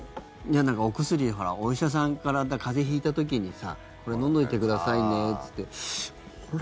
お薬、ほらお医者さんから風邪引いた時にこれ、飲んどいてくださいねってこれ。